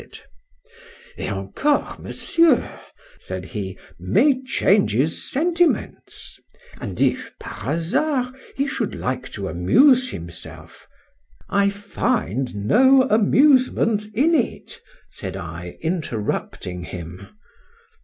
—Et encore, Monsieur, said he, may change his sentiments;—and if (par hazard) he should like to amuse himself,—I find no amusement in it, said I, interrupting him.